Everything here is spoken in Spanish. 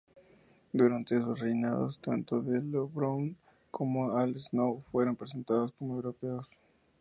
Durante sus reinados, tanto D'Lo Brown como Al Snow fueron presentados como europeos.